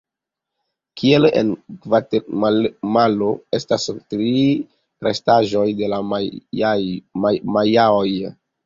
Kiel en Gvatemalo estas tie restaĵoj de la Majaoj.